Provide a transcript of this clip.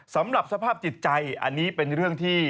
สำหรับสภาพจิตใจอันนี้เป็นเรื่องที่